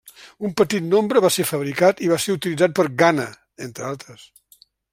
Un petit nombre va ser fabricat i va ser utilitzat per Ghana, entre altres.